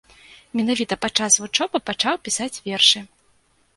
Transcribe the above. Менавіта пад час вучобы пачаў пісаць вершы.